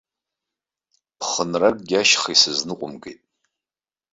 Ԥхынракгьы ашьха исызныҟәымгеит.